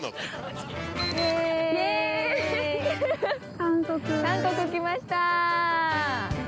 ◆韓国来ましたー。